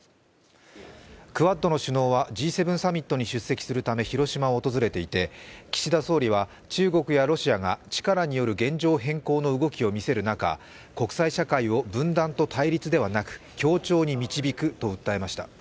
クアッドの首脳はＧ７サミットに出席するため広島を訪れていて岸田総理は中国やロシアが力による現状変更の動きを見せる中国際社会を分断と対立ではなく協調に導くと訴えました。